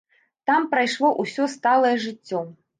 Там прайшло ўсё сталае жыццё.